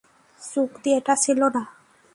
চুক্তি এটা ছিল না।